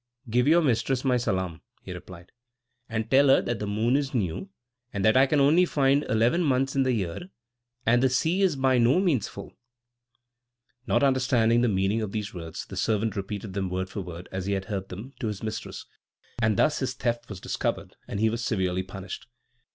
"Give your mistress my salam," he replied, "and tell her that the moon is new, and that I can only find eleven months in the year, and the sea is by no means full." Not understanding the meaning of these words, the servant repeated them word for word, as he had heard them, to his mistress; and thus his theft was discovered, and he was severely punished.